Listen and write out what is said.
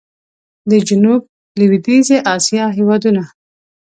د جنوب لوېدیځي اسیا هېوادونه